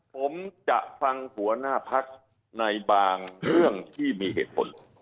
ผมจะฟังหัวหน้าพักในบางเรื่องที่มีเหตุผล